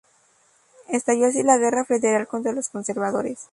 Estalló así la Guerra Federal contra los conservadores.